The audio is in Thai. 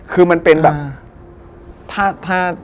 คือมันเป็นแบบ